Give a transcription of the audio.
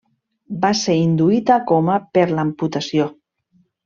Va ser induït a coma per l'amputació.